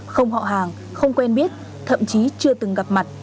không họ hàng không quen biết thậm chí chưa từng gặp mặt